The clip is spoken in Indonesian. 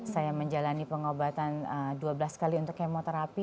saya menjalani pengobatan dua belas kali untuk kemoterapi